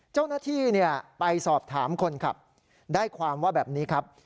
เจ้าหน้าที่ไปสอบถามคนขับได้ความว่าแบบนี้ครับ